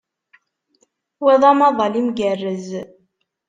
Wa d amaḍal imgerrez.